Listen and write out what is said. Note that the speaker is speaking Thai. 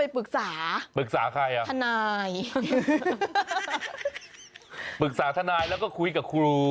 ปรึกษาธนายแล้วก็คุยกับครู